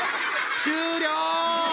終了！